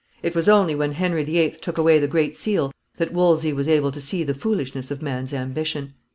It was only when Henry the Eighth took away the Great Seal that Wolsey was able to see the foolishness of man's ambition.